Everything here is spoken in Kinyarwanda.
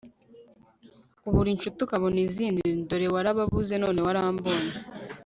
ubura inshuti ukabona izindi, dore warababuze none warambonye